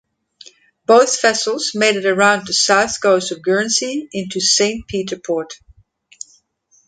Both vessels made it around the south coast of Guernsey into Saint Peter Port.